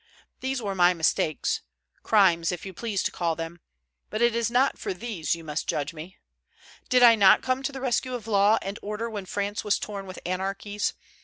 These were my mistakes, crimes, if you please to call them; but it is not for these you must judge me. Did I not come to the rescue of law and order when France was torn with anarchies?